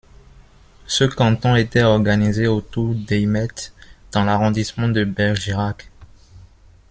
Ce canton était organisé autour d'Eymet dans l'arrondissement de Bergerac.